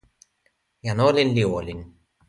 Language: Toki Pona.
jan olin li olin.